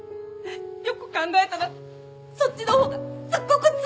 よく考えたらそっちの方がすっごくつらい！